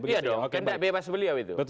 iya dong kendak bebas beliau itu